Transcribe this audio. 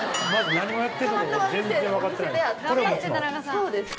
そうです。